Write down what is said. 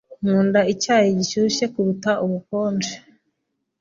Nkunda icyayi gishyushye kuruta ubukonje.